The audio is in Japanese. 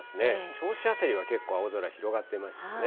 銚子辺りは結構、青空広がっていましたよね。